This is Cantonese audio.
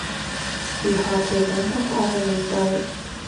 如何調整心態去面對